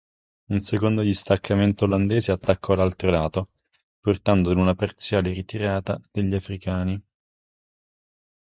Un secondo distaccamento olandese attaccò l'altro lato, portando ad una parziale ritirata degli africani.